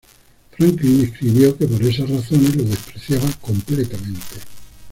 Franklin escribió que por esas razones lo despreciaba completamente.